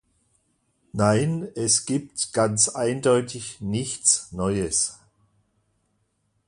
Nein, es gibt ganz eindeutig nichts Neues.